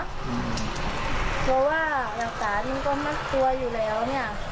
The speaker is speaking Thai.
เพราะว่าหลักฐานมันก็มัดตัวอยู่แล้วเนี่ย